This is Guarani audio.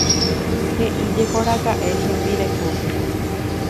He'íjekoraka'e hembirekópe.